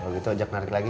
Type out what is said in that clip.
kalau gitu ajak narik lagi